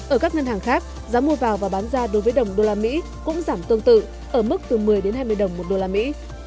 ở các ngân hàng khác giá mua vào và bán ra đối với đồng đô la mỹ cũng giảm tương tự ở mức từ một mươi đến hai mươi đồng một đô la mỹ